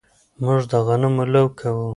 موږ د غنمو لو کوو